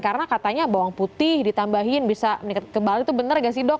karena katanya bawang putih ditambahin bisa meningkat kembali itu benar gak sih dok